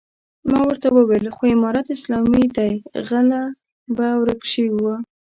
ما ورته وويل خو امارت اسلامي دی غله به ورک شوي وي.